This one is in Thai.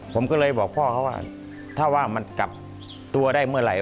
ผมก็เลยบอกพ่อเขาว่าถ้าว่ามันกลับตัวได้เมื่อไหร่